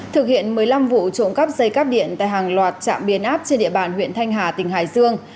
thực hiện một mươi năm vụ trộm cắp dây cắp điện tại hàng loạt trạm biến áp trên địa bàn huyện thanh hà tỉnh hải dương